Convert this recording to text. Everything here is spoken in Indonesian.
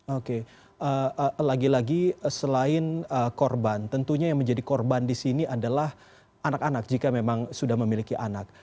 oke lagi lagi selain korban tentunya yang menjadi korban di sini adalah anak anak jika memang sudah memiliki anak